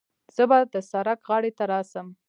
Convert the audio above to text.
زه به د سړک غاړې ته راسم.